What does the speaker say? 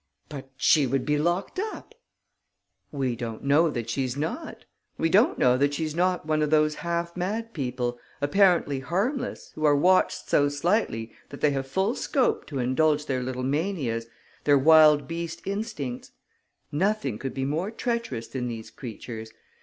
"But she would be locked up!" "We don't know that she's not. We don't know that she is not one of those half mad people, apparently harmless, who are watched so slightly that they have full scope to indulge their little manias, their wild beast instincts. Nothing could be more treacherous than these creatures.